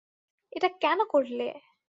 এটা কেন করলে?